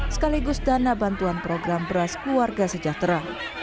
sekaligus dana bantuan program beras keluarga sejahtera